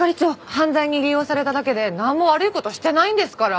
犯罪に利用されただけでなんも悪い事してないんですから。